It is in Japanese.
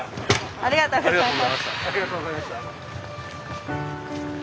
ありがとうございます。